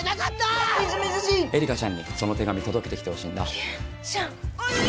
えりかちゃんに、その手紙届けてきてほしいんだ。